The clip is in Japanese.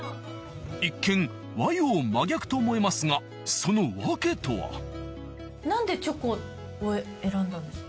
一見和洋真逆と思えますがその訳とは？何でチョコを選んだんですか？